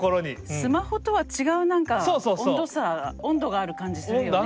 スマホとは違う何か温度差温度がある感じするよね。